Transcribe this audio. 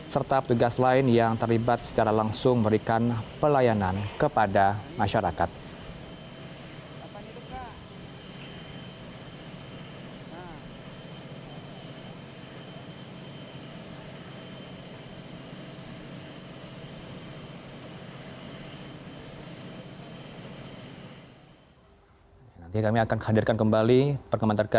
serta petugas lain yang terlibat secara langsung memberikan pelayanan kepada masyarakat